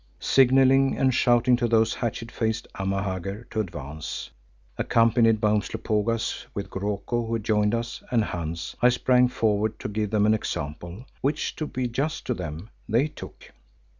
Signalling and shouting to those hatchet faced Amahagger to advance, accompanied by Umslopogaas with Goroko who had joined us, and Hans, I sprang forward to give them an example, which, to be just to them, they took.